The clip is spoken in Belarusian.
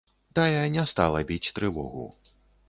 Тая не стала біць трывогу.